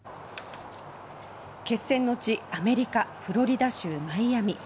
決戦の地アメリカ・フロリダ州マイアミ。